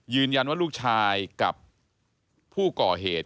ยืนยันว่าลูกชายกับผู้ก่อเหตุ